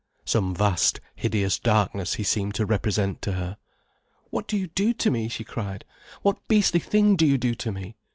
Some vast, hideous darkness he seemed to represent to her. "What do you do to me?" she cried. "What beastly thing do you do to me?